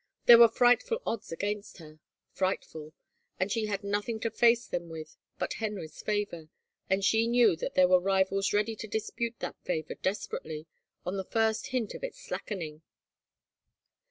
There were frightful odds against her. Frightful. And she had nothing to face them with but Henry's favor, and she knew that there were rivals ready to dispute that favor desperately on the first hint of its slackening.